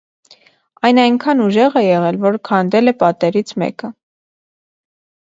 Այն այնքան ուժեղ է եղել, որ քանդել է պատերից մեկը։